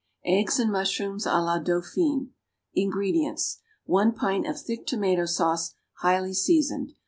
=Eggs and Mushrooms à la Dauphine.= INGREDIENTS. 1 pint of thick tomato sauce, highly seasoned.